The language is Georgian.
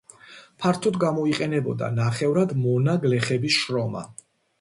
ფართოდ გამოიყენებოდა ნახევრად მონა გლეხების შრომა.